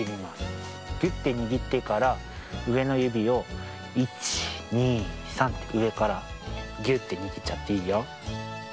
ぎゅってにぎってからうえのゆびを１２３ってうえからぎゅってにぎっちゃっていいよ。